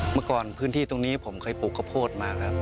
เมื่อก่อนพื้นที่ตรงนี้ผมเคยปลูกข้าวโพดมาครับ